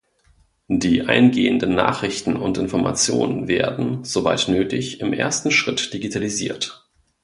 Die eingehenden Nachrichten und Informationen werden, soweit nötig, im ersten Schritt digitalisiert.